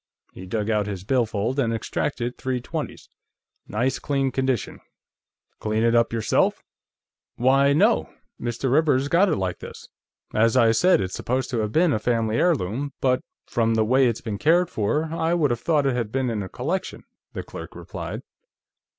He dug out his billfold and extracted three twenties. "Nice clean condition; clean it up yourself?" "Why, no. Mr. Rivers got it like this. As I said, it's supposed to have been a family heirloom, but from the way it's been cared for, I would have thought it had been in a collection," the clerk replied.